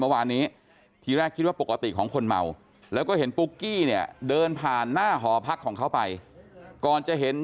เมื่อวานนี้ทีแรกคิดว่าปกติของคนเมาแล้วก็เห็นปุ๊กกี้เนี่ยเดินผ่านหน้าหอพักของเขาไปก่อนจะเห็น